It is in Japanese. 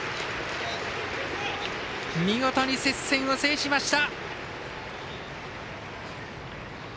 見事に接戦を制しました。